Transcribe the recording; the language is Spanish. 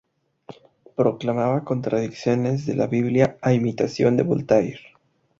Proclamaba contradicciones de la Biblia a imitación de Voltaire.